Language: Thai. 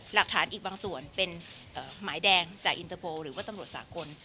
หลักฐานอีกบางส่วนเป็นหมายแดงจากอินเตอร์โพลหรือว่าตำรวจสากล